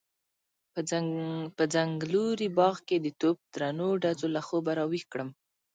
په څنګلوري باغ کې د توپ درنو ډزو له خوبه راويښ کړم.